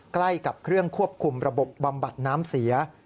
ใกล้กับเครื่องควบคุมระบบบำบัดน้ำเสีย